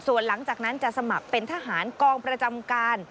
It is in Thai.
ส่วนหลังจากนั้นจะสมัครเป็นทหารกองประจำการ